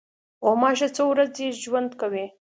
غوماشه څو ورځې ژوند کوي.